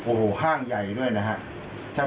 โอ้โหห้างใหญ่ด้วยนะครับ